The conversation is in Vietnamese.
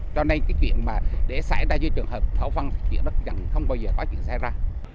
cho nên cái chuyện mà để xảy ra như trường hợp thảo văn chứ chẳng bao giờ có chuyện xảy ra